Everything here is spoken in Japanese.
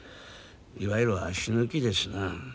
いわゆる足抜きですな。